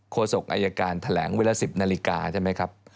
ศกอายการแถลงเวลา๑๐นาฬิกาใช่ไหมครับ